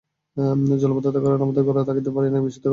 জলাবদ্ধতার কারণে আমরা ঘরে থাকতে পারি না, বিশুদ্ধ খাবার পানি পাই না।